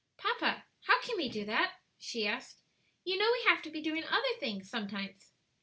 "Papa, how can we do that?" she asked. "You know we have to be doing other things sometimes."